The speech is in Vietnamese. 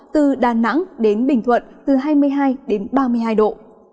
từ đà nẵng đến bình thuận từ hai mươi hai đến ba mươi hai độ